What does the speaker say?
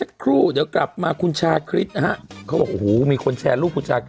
หมดเยอะกว่าโดยครั้งนี้อีกน้าย